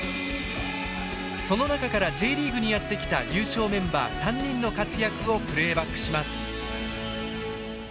その中からＪリーグにやって来た優勝メンバー３人の活躍をプレーバックします。